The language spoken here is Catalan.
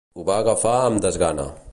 Ho va agafar amb desgana.